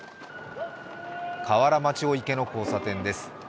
河原町御池の交差点です。